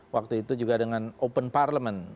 waktu itu juga dengan open parliament